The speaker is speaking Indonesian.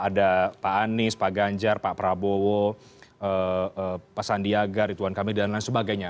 ada pak anies pak ganjar pak prabowo pak sandiaga ridwan kamil dan lain sebagainya